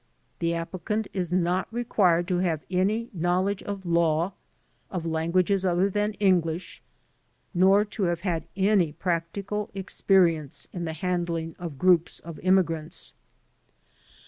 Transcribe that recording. The applicant is not required to have any knowledge of law, of languages other than English, nor to have had any practical experience in the handling of groups of immigrants.